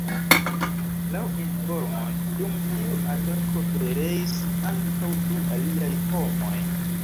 Laŭ informoj dum tiu atako pereis ankaŭ du aliaj homoj.